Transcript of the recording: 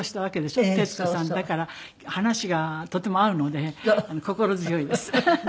だから話がとても合うので心強いです。